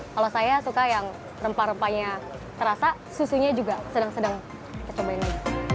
kalau saya suka yang rempah rempahnya terasa susunya juga sedang sedang dicobain lagi